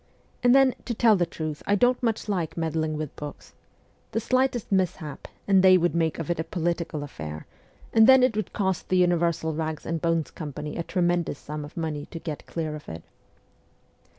And then, to tell the truth, I don't much like meddling with books. The slightest mishap, and " they " would make of it a political affair, and then it would cost the Universal Bags and Bones Company a tremendous sum of money to get clear of it.'